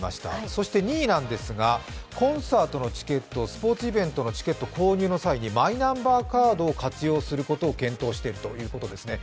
そして２位なんですが、コンサートのチケット、スポーツイベントのチケット購入の際にマイナンバーカードを活用することを検討しているということですすね。